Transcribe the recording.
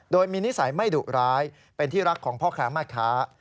โดยมีนิสัยไม่ดุร้ายเป็นที่รักของพ่อค้าแม่ค้า